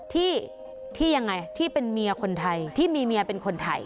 ที่เป็นเมียคนไทยที่มีเมียเป็นคนไทย